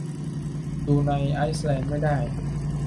ดูในไอร์แลนด์ไม่ได้